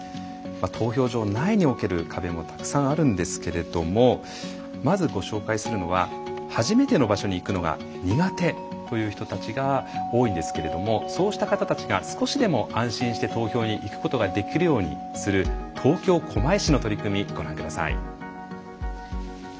投票所内における壁もたくさんあるんですけれどもまずご紹介するのは初めての場所に行くのが苦手という人たちが多いんですけれどもそうした方たちが少しでも安心して投票に行くことができるようにする東京狛江市の取り組みご覧ください。